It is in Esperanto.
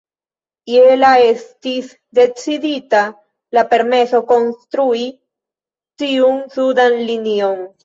Je la estis decidita la permeso konstrui tiun sudan linion.